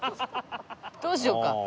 どうしようか。